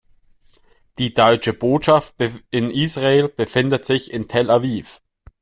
Die Deutsche Botschaft in Israel befindet sich in Tel Aviv.